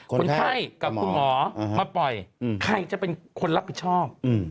คนไข้กับคุณหมอมาปล่อยใครจะเป็นคนรับผิดชอบ